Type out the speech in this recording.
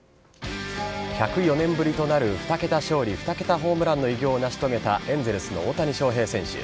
１０４年ぶりとなる２桁勝利２桁ホームランの偉業を成し遂げたエンゼルスの大谷翔平選手。